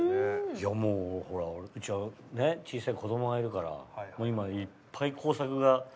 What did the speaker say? いやもうほらうちは小さい子供がいるから今いっぱい工作が。